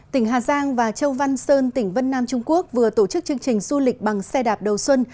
tỉnh hà giang và châu văn sơn tỉnh vân nam trung quốc vừa tổ chức chương trình du lịch bằng xe đạp đầu xuân